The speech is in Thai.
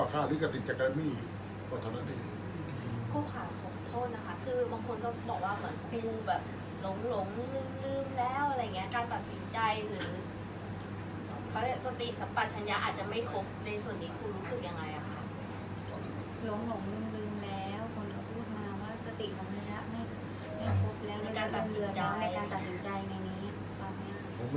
อันไหนที่มันไม่จริงแล้วอาจารย์อยากพูด